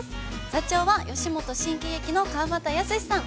座長は、吉本新喜劇の川畑泰史さん。